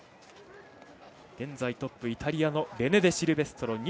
現在トップ、イタリアのレネ・デシルベストロ。